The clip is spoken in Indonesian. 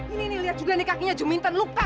ini ini lihat juga nih kakinya juminten lukta